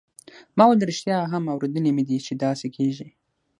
ما وویل ریښتیا هم اوریدلي مې دي چې داسې کیږي.